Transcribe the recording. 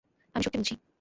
আমি সত্যি বলছি।